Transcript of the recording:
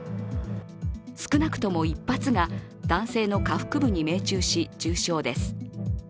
少なくとも１発が男性の下腹部に命中し、重傷です。